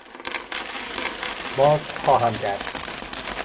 بازخواهم گشت.